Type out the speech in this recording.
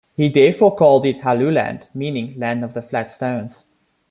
He therefore called it Helluland meaning "Land of the Flat Stones".